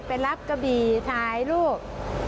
ไปรับกระบี่ถ่ายรูป